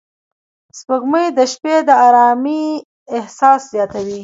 سپوږمۍ د شپې د آرامۍ احساس زیاتوي